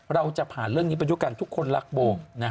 เราจะผ่านเรื่องนี้ไปด้วยกันทุกคนรักโบ